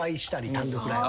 単独ライブ。